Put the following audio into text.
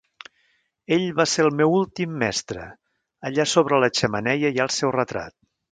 Ell va ser el meu últim mestre, allà sobre la xemeneia hi ha el seu retrat.